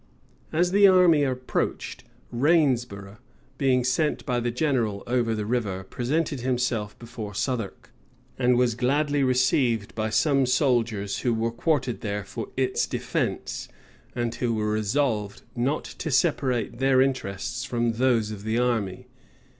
As the army approached, Rainsborow, being sent by the general over the river, presented himself before Southwark, and was gladly received by some soldiers who were quartered there for its defence, and who were resolved not to separate their interests from those of the army.